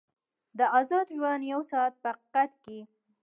د ازاد ژوند یو ساعت په حقیقت کې.